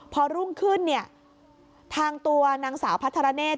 พอรุ่งขึ้นเนี่ยทางตัวนางสาวพัทรเนธ